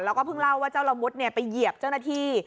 แล้วก็เพิ่งเล่าว่าเจ้าละมุดไปเหยียบเจ้าหน้าที่